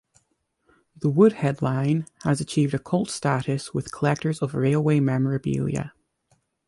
The Woodhead line has achieved a cult status with collectors of railway memorabilia.